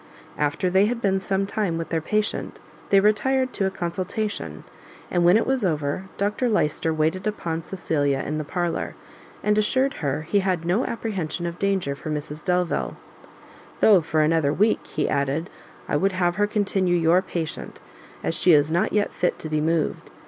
After they had been some time with their patient, they retired to a consultation, and when it was over, Dr Lyster waited upon Cecilia in the parlour, and assured her he had no apprehension of danger for Mrs Delvile, "Though, for another week," he added, "I would have her continue your patient, as she is not yet fit to be removed.